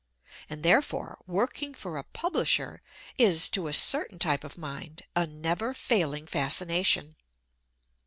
And therefore working for a publisher is, to a certain type of mind, a never failing fascination.